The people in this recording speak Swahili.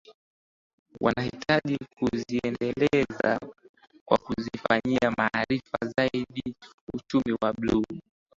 Wanahitaji kuziendeleza kwa kuifanyia maarifa zaidi uchumi wa buluu